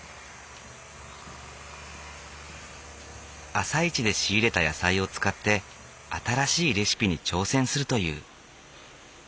朝市で仕入れた野菜を使って新しいレシピに挑戦するという。